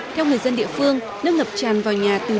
theo người dân địa phương nước ngập tràn vào nhà từ